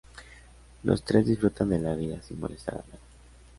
Los tres disfrutan de la vida sin molestar a nadie.